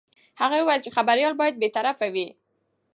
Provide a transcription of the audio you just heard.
هغه وویل چې خبریال باید بې طرفه وي.